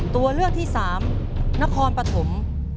ตัวเลือกที่๓นครปฐม